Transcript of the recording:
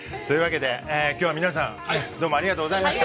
今日は皆さんどうもありがとうございました。